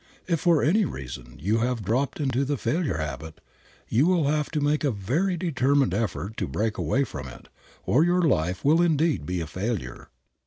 If for any reason you have dropped into the failure habit, you will have to make a very determined effort to break away from it, or your life will indeed be a failure.